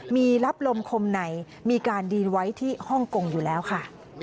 มีรับลมคมในมีการดีนไว้ที่ฮ่องกงอยู่แล้วค่ะ